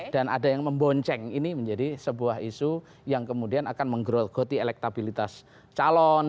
dan ada yang membonceng ini menjadi sebuah isu yang kemudian akan menggerogoti elektabilitas calon